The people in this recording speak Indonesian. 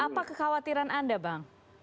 apa kekhawatiran anda bang